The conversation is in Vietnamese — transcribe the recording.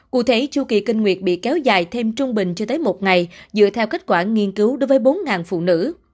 cụ thể chu kỳ kinh nguyệt bị kéo dài thêm trung bình chưa tới một ngày dựa theo kết quả nghiên cứu đối với bốn phụ nữ